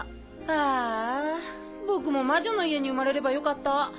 ああ僕も魔女の家に生まれればよかった。